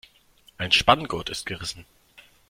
Ein Spanngurt ist gerissen.